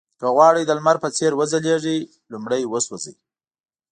که غواړئ د لمر په څېر وځلېږئ لومړی وسوځئ.